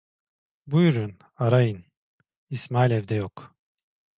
Buyurun arayın, İsmail evde yok.